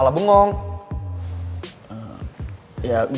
itu dulu yang aku kena